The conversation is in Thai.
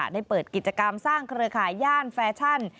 ได้เปิดกิจกรรมสร้างเครือข่ายย่านแฟชั่น